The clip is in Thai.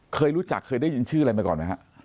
เคยรู้จักเคยได้ยินชื่ออะไรมาก่อนไหมฮะ